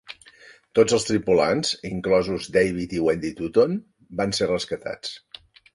Tots els tripulants, inclosos David i Wendy Touton, van ser rescatats.